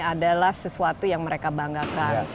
adalah sesuatu yang mereka banggakan